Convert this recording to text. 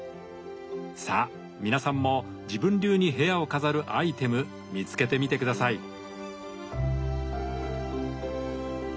さあ皆さんも自分流に部屋を飾るアイテム見つけてみて下さい。